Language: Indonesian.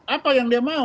apa yang dia mau